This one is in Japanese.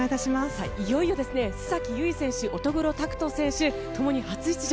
いよいよ須崎優衣選手、乙黒拓斗選手ともに初出場。